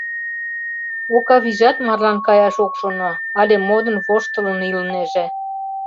Окавийжат марлан каяш ок шоно, але модын-воштылын илынеже.